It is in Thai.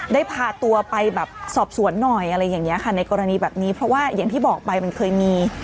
ได้พาตัวไปแบบสอบสวนหน่อยอะไรอย่างนี้ค่ะในกรณีแบบนี้เพราะว่าอย่างที่บอกไปมันเคยมี